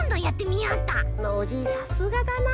さすがだな。